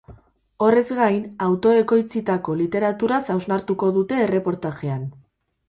Horrez gain, autoekoitzitako literaturaz hausnartuko dute erreportajean.